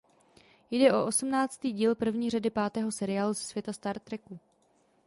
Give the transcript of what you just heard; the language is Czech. Jde o osmnáctý díl první řady pátého seriálu ze světa Star Treku.